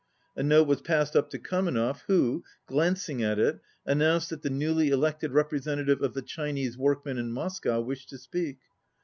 A note was passed up to Kamenev who, glancing at it, an nounced that the newly elected representative of the Chinese workmen in Moscow wished to speak.